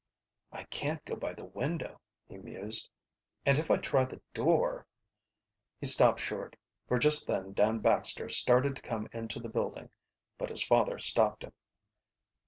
"I can't go by the window," he mused. "And if I try the door " He stopped short, for just then Dan Baxter started to come into the building. But his father stopped him.